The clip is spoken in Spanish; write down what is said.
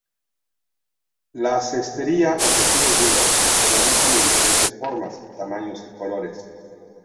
La cestería o tejidos duros: se realizan en diferentes formas, tamaños y colores.